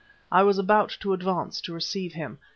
I was about to advance to receive him.